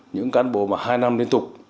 những cán bộ mà hai năm liên tục